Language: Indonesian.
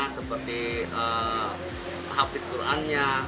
seperti hafidh qurannya